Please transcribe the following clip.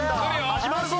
始まるぞ。